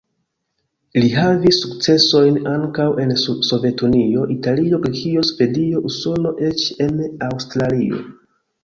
Li havis sukcesojn ankaŭ en Sovetunio, Italio, Grekio, Svedio, Usono, eĉ en Aŭstralio.